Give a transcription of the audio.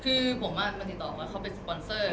คือผมมาติดต่อว่าเขาเป็นสปอนเซอร์